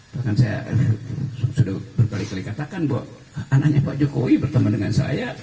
bahkan saya sudah berkali kali katakan bahwa anaknya pak jokowi berteman dengan saya